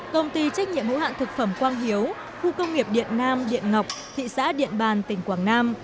công ty trách nhiệm hữu hạn thực phẩm quang hiếu khu công nghiệp điện nam điện ngọc thị xã điện bàn tỉnh quảng nam